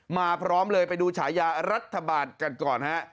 พร้อมเลยไปดูฉายารัฐบาลกันก่อนฮะ